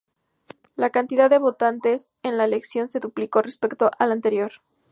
La cantidad de votantes en la elección se duplicó respecto a la anterior.